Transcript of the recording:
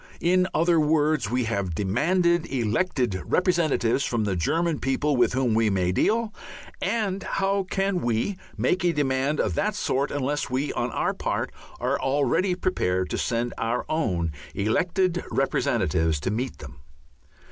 In other words, we have demanded elected representatives from the German people with whom we may deal, and how can we make a demand of that sort unless we on our part are already prepared to send our own elected representatives to meet them?